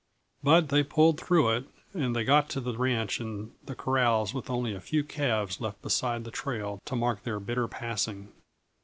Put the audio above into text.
But they pulled through it, and they got to the ranch and the corrals with only a few calves left beside the trail to mark their bitter passing.